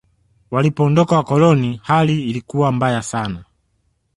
walipoondoka wakoloni hali ilikuwa mbaya sana